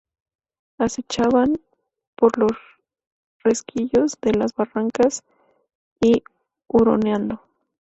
acechaban por los resquicios de las barracas, y, huroneando